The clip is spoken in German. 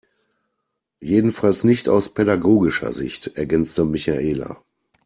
Jedenfalls nicht aus pädagogischer Sicht, ergänzte Michaela.